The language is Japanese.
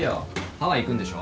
ハワイ行くんでしょ？